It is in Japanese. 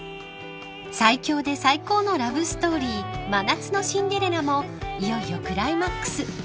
［最強で最高のラブストーリー『真夏のシンデレラ』もいよいよクライマックス］